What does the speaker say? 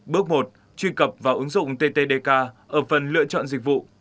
bước một truy cập vào ứng dụng ttdk ở phần lựa chọn dịch vụ